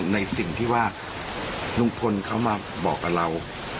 ในสิ่งที่ว่าลุงพลเขามาบอกกับเรา